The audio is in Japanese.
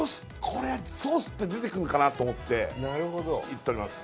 これソースって出てくるかなと思っていっとります